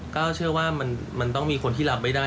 ก็เชื่อว่ามันต้องมีคนที่รับไม่ได้